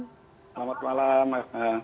selamat malam mas